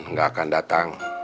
nggak akan datang